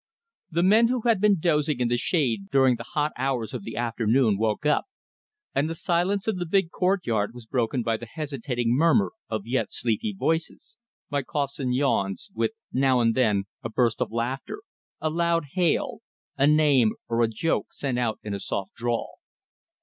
The men who had been dozing in the shade during the hot hours of the afternoon woke up, and the silence of the big courtyard was broken by the hesitating murmur of yet sleepy voices, by coughs and yawns, with now and then a burst of laughter, a loud hail, a name or a joke sent out in a soft drawl.